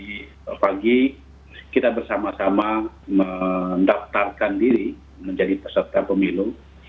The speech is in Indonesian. tadi pagi kita bersama sama mendaftarkan diri menjadi peserta pemilu